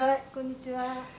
こんにちは。